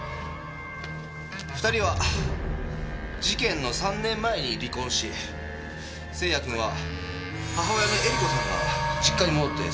２人は事件の３年前に離婚し星也くんは母親の英理子さんが実家に戻って育てていました。